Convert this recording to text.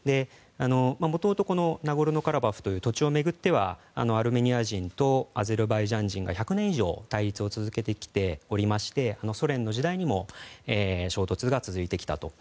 もともとナゴルノカラバフという土地を巡ってはアルメニア人とアゼルバイジャン人が１００年以上対立を続けてきておりましてソ連の時代にも衝突が続いてきたと。